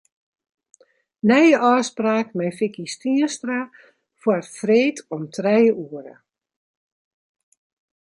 Nije ôfspraak mei Vicky Stienstra foar freed om trije oere.